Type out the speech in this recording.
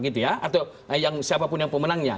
atau siapapun yang pemenangnya